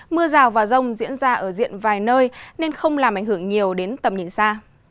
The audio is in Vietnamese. mưa rào và rông diễn ra ở diện vài nơi nên không làm ảnh hưởng nhiều đến tầm nhìn xa